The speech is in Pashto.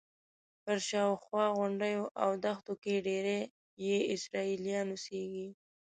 پر شاوخوا غونډیو او دښتو کې ډېری یې اسرائیلیان اوسېږي.